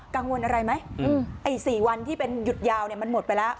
กังวลอะไรไหมไอ้๔วันที่เป็นหยุดยาวมันหมดไปแล้ว